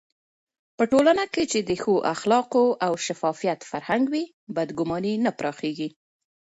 په ټولنه کې چې د ښو اخلاقو او شفافيت فرهنګ وي، بدګماني نه پراخېږي.